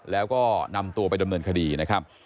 แล้วก็นำตัวไปดำเนินคดีนะครับ